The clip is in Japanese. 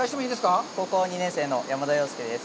郡上高校２年生の山田陽介です。